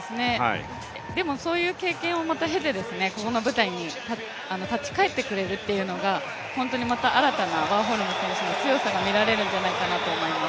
でも、そういう経験を経てここの舞台に立ち返ってくれるっていうのが本当にまた新たなワーホルム選手の強さが見えるんじゃないかなと思います。